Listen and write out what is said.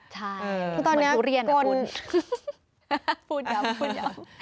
ใช่เพราะตอนนี้คนเป็นสุเรียนะพูดย้ำพูดย้ำ